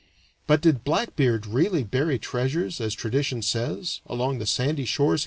But did Blackbeard really bury treasures, as tradition says, along the sandy shores he haunted?